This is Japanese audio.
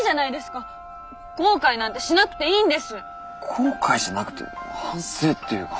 後悔じゃなくて反省っていうか。